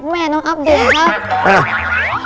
แม่น้องอัปเดตครับ